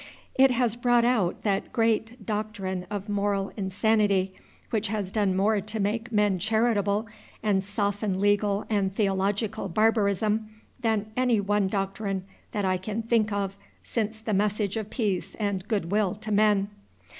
It has brought out that great doctrine of moral insanity, which has done more to make men charitable and soften legal and theological barbarism than any one doctrine that I can think of since the message of peace and good will to men.